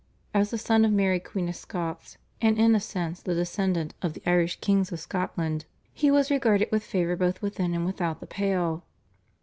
As the son of Mary Queen of Scots, and in a sense, the descendant of the Irish Kings of Scotland he was regarded with favour both within and without the Pale.